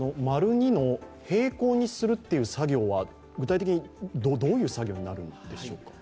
平行にする作業は具体的にどういう作業になるんでしょうか。